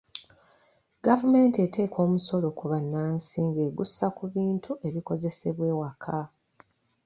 Gavumenti eteeka omusolo ku bannansi ng'egussa ku bintu ebikozesebwa ewaka.